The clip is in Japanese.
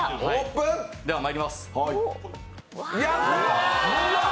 では、まいります。